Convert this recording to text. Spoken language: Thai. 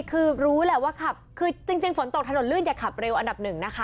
คือรู้แหละว่าขับคือจริงฝนตกถนนลื่นอย่าขับเร็วอันดับหนึ่งนะคะ